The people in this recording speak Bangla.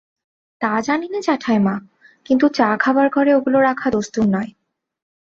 তা জানি নে জেঠাইমা, কিন্তু চা খাবার ঘরে ওগুলো রাখা দস্তুর নয়।